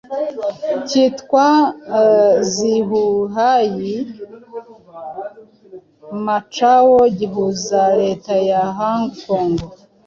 kitwa Zhuhai-Macao gihuza leta ya Hong kong